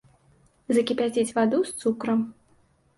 Закіпяціць ваду з цукрам.